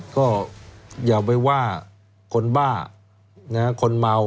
ก็อย่าไปว่าคนบ้าคนเมา